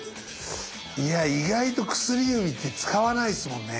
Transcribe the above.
いや意外と薬指って使わないっすもんね。